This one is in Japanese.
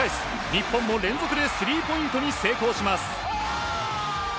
日本も連続でスリーポイントに成功します。